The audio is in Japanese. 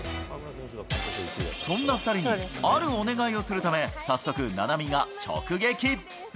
そんな２人にあるお願いをするため、早速、菜波が直撃。